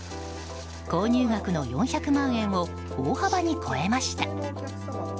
購入額の４００万円を大幅に超えました。